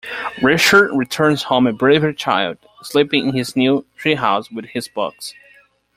Richard returns home a braver child, sleeping in his new treehouse with his books.